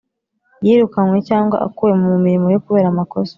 Yirukanywe cyangwa akuwe ku mirimo ye kubera amakosa